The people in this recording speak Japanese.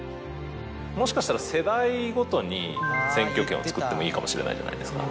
もしかしたら世代ごとに選挙権をつくってもいいかもしれないじゃないですか。